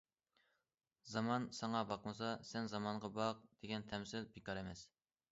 زامان ساڭا باقمىسا، سەن زامانغا باق دېگەن تەمسىل بىكار ئەمەس.